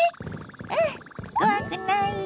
うん怖くないよ！